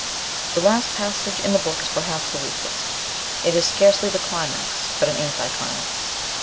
The last passage in the book is perhaps the weakest. It is scarcely the climax, but an anticlimax.